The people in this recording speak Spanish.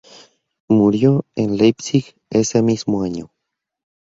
Murió en Leipzig ese mismo año.